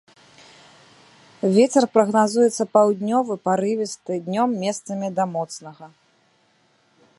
Вецер прагназуецца паўднёвы парывісты, днём месцамі да моцнага.